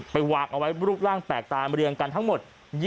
วางเอาไว้รูปร่างแปลกตาเรียงกันทั้งหมด